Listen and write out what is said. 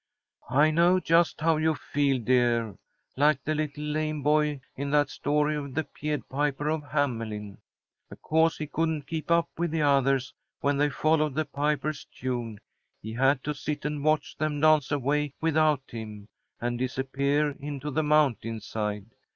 "I know just how you feel, dear. Like the little lame boy in that story of the 'Pied Piper of Hamelin.' Because he couldn't keep up with the others when they followed the piper's tune, he had to sit and watch them dance away without him, and disappear into the mountainside.